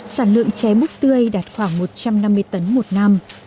sản lượng trẻ bút tươi đạt khoảng một trăm năm mươi tấn một năm